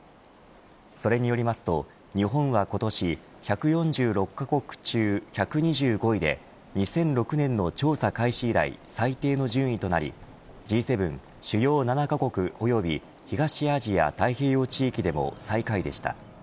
それによりますと、日本は今年１４６カ国中１２５位で２００６年の調査開始以来最低の順位となりＧ７主要７カ国および東アジア・太平洋地域でも最下位でした。